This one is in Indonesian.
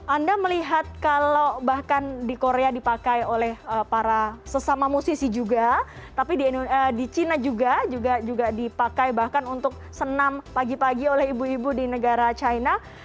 anda melihat kalau bahkan di korea dipakai oleh para sesama musisi juga tapi di china juga juga dipakai bahkan untuk senam pagi pagi oleh ibu ibu di negara china